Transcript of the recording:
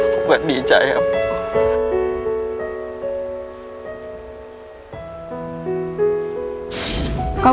ผมก็ดีใจครับ